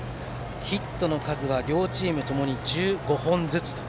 ヒットの数は両チームともに１５本ずつ。